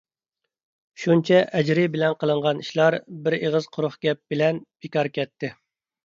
شۇنچە ئەجرى بىلەن قىلىنغان ئىشلار بىر ئېغىز قۇرۇق گەپ بىلەن بىكار كەتتى.